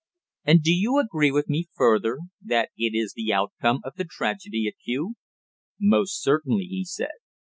"And do you agree with me, further, that it is the outcome of the tragedy at Kew?" "Most certainly," he said.